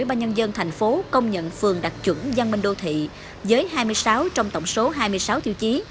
ba nhân dân thành phố công nhận phường đặt chuẩn dân minh đô thị với hai mươi sáu trong tổng số hai mươi sáu tiêu chí